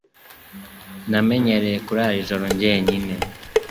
Namenyereye kurara nijoro jye nyine.